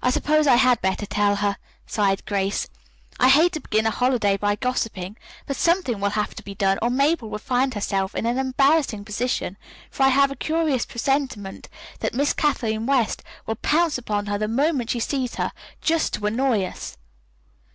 "I suppose I had better tell her," sighed Grace. "I hate to begin a holiday by gossiping, but something will have to be done, or Mabel will find herself in an embarrassing position, for I have a curious presentiment that Miss Kathleen West will pounce upon her the moment she sees her, just to annoy us."